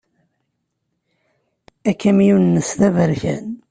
Akamyun-nnes d aberkan.